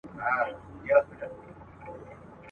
زموږ د سندرو د ښادیو وطن.